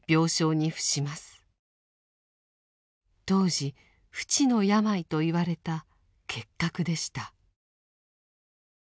当時不治の病といわれた結核でした。